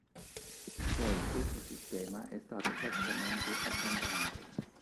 Poi questo sistema è stato praticamente abbandonato.